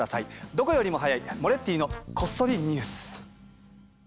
どこよりも早い「モレッティのこっそりニュース」。